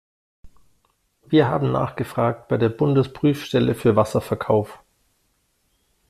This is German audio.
Wir haben nachgefragt bei der Bundesprüfstelle für Wasserverkauf.